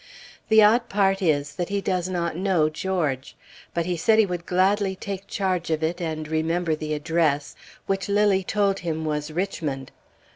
The odd part is, that he does not know George. But he said he would gladly take charge of it and remember the address, which Lilly told him was Richmond.